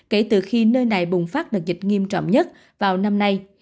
kể từ khi nơi này bùng phát đợt dịch nghiêm trọng nhất vào năm nay